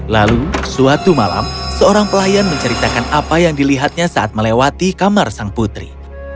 lalu suatu malam seorang pelayan menceritakan apa yang dilihatnya saat melewati kamar sang putri